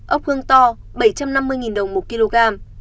ốc hương to bảy trăm năm mươi đồng một kg